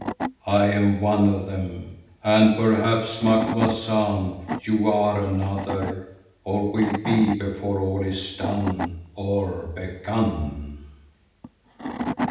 I am one of them, and perhaps, Macumazahn, you are another, or will be before all is done—or begun.